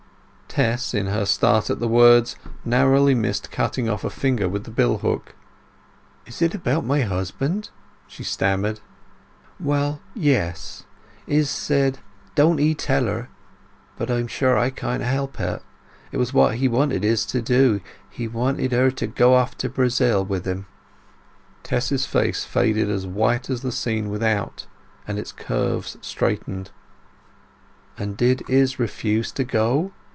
Tess, in her start at the words, narrowly missed cutting off a finger with the bill hook. "Is it about my husband?" she stammered. "Well, yes. Izz said, 'Don't 'ee tell her'; but I am sure I can't help it! It was what he wanted Izz to do. He wanted her to go off to Brazil with him." Tess's face faded as white as the scene without, and its curves straightened. "And did Izz refuse to go?"